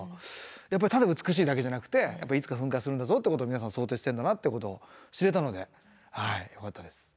やっぱりただ美しいだけじゃなくていつか噴火するんだぞってことを皆さん想定してんだなってことを知れたのでよかったです。